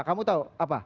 kamu tau apa